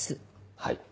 はい。